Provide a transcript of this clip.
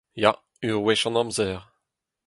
Ya, ur wech an amzer.